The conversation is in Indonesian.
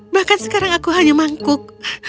bahkan sekarang aku hanya mangkuk